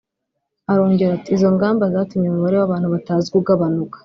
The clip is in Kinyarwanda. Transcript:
Arongera ati “Izo ngamba zatumye umubare w’abantu batazwi ugabanuka